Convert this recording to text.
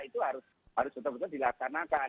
itu harus betul betul dilaksanakan